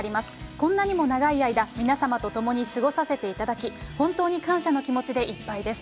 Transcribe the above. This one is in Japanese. こんなにも長い間、皆様と共に過ごさせていただき、本当に感謝の気持ちでいっぱいです。